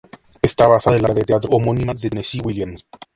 Está basada en la obra de teatro homónima de Tennessee Williams.